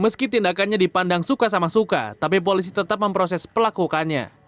meski tindakannya dipandang suka sama suka tapi polisi tetap memproses pelakukannya